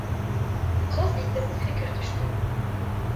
Ҡылт итеп фекер төштө